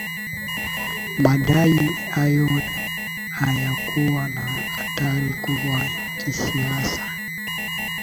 madai hayo hayakuwa na athari kubwa kisiasa